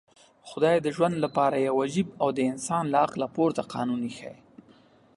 خدای د ژوند لپاره يو عجيب او د انسان له عقله پورته قانون ايښی.